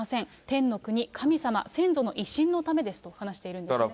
天の国、神様、先祖の威信のためですと話しているんですね。